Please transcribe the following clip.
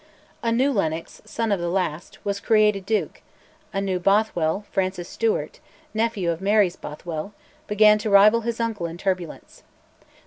A new Lennox, son of the last, was created a duke; a new Bothwell, Francis Stewart (nephew of Mary's Bothwell), began to rival his uncle in turbulence.